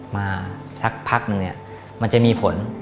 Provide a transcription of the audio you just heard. มาสักพักหนึ่งมันจะมีผล